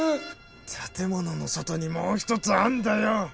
建物の外にもうひとつあんだよ。